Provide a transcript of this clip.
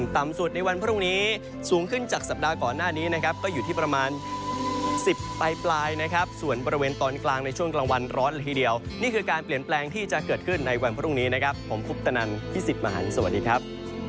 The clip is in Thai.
ที่ประมาณ๑๐ปลายนะครับส่วนบริเวณตอนกลางในช่วงกลางวันร้อนละทีเดียวนี่คือการเปลี่ยนแปลงที่จะเกิดขึ้นในวันพรุ่งนี้นะครับผมพุทธนันที่สิทธิ์มหารสวัสดีครับ